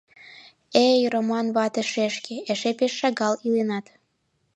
Э-эй, Раман вате шешке, эше пеш шагал иленат.